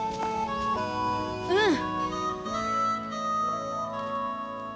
うん！